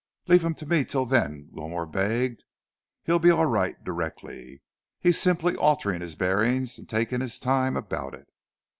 "Leave him to me till then," Wilmore begged. "He'll be all right directly. He's simply altering his bearings and taking his time about it.